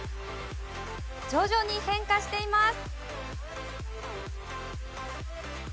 徐々に変化しています。